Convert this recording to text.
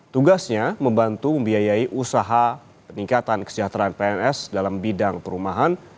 tugasnya membantu membiayai usaha peningkatan kesejahteraan pns dalam bidang perumahan